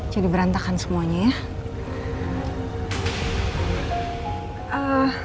jadi berantakan semuanya ya